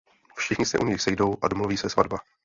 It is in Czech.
Všichni se u něj sejdou a domluví se svatba.